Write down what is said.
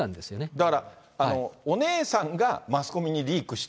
だからお姉さんがマスコミにリークした？